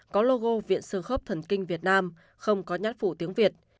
có logo viện sương khớp thần kinh việt nam không có nhát phụ tiếng việt